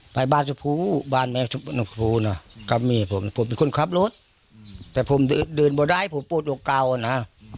ไปบ้านสมภูติบ้านสมภูฎว่าเพราะว่ามีกรรมกรับรถแต่ผมดื่นไม่ได้พูดหกนะ